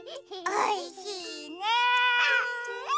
おいしいね！